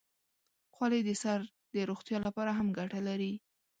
خولۍ د سر د روغتیا لپاره هم ګټه لري.